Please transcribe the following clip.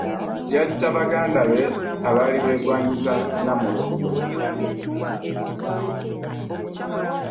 Yatta baganda be abaali begwanyiza nnamulondo ,